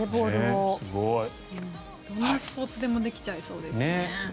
どんなスポーツでもできちゃいそうですね。